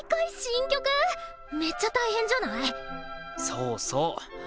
そうそう。